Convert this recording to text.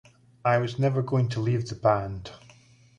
I was never going to leave the band.